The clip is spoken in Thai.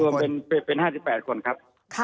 รวมเป็น๕๘คนครับ